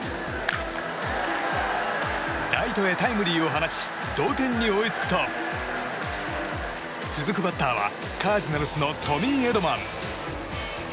ライトへタイムリーを放ち同点に追いつくと続くバッターはカージナルスのトミー・エドマン。